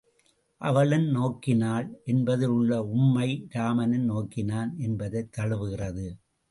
அவளும் நோக்கினாள் என்பதில் உள்ள உம்மை, இராமனும் நோக்கினான் என்பதைத் தழுவுகிறது.